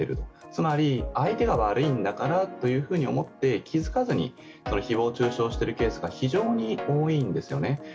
つまり、相手が悪いんだからというふうに思って気づかずに誹謗中傷している場合が非常に多いんですよね。